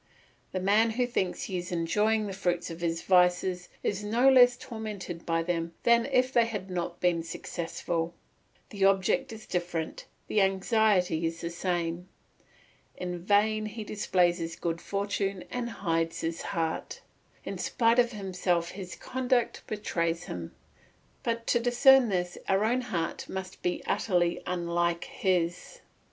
The man who thinks he is enjoying the fruits of his vices is no less tormented by them than if they had not been successful; the object is different, the anxiety is the same; in vain he displays his good fortune and hides his heart; in spite of himself his conduct betrays him; but to discern this, our own heart must be utterly unlike his.